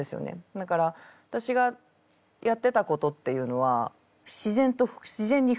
だから私がやってたことっていうのは自然にふれに行くっていう。